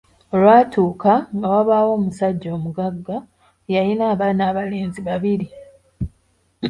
Olwatuuka, nga wabawo omussajja omuggaga, yalina abaana abalenzi babbiri.